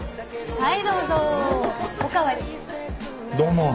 はい！